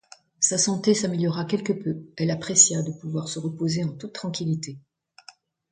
Sa santé s'améliora quelque peu, elle apprécia de pouvoir se reposer en toute tranquillité.